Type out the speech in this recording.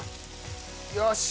よし！